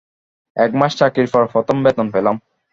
একমাস চাকরির পর প্রথম বেতন পেলাম!